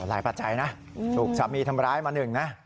ปัจจัยนะถูกสามีทำร้ายมาหนึ่งนะ